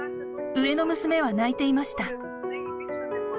上の娘は泣いていました。